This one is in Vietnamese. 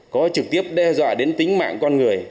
có trực tiếp đe dọa đến tính mạng con người